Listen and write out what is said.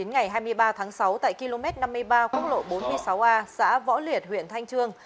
ngày hai mươi ba tháng sáu tại km năm mươi ba quốc lộ bốn mươi sáu a xã võ liệt huyện thanh trương